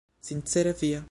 Sincere via.